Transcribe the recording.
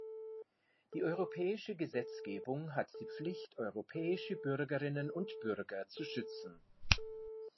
Die Europäische Gesetzgebung hat die Pflicht, europäische Bürgerinnen und Bürger zu schützen.